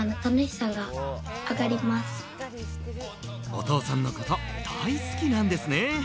お父さんのこと大好きなんですね！